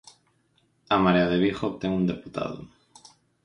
A Marea de Vigo obtén un deputado.